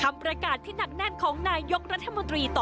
ประกาศที่หนักแน่นของนายกรัฐมนตรีต่อ